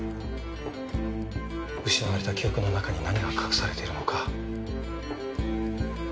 失われた記憶の中に何が隠されているのか。